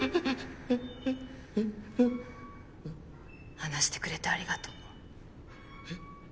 話してくれてありがとう。え？